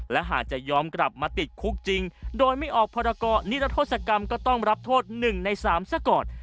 และหากจะยอมกลับมาติดคุกจริงโดยไม่ออกพรกรนิรัทธศกรรมก็ต้องรับโทษ๑ใน๓ซะก่อน